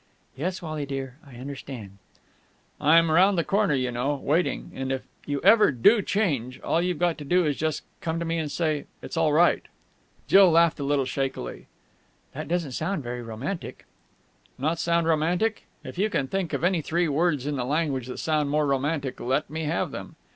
"Yes, Wally dear, I understand." "I'm round the corner, you know, waiting! And if you ever do change, all you've got to do is just to come to me and say 'It's all right!'...." Jill laughed a little shakily. "That doesn't sound very romantic!" "Not sound romantic? If you can think of any three words in the language that sound more romantic, let me have them!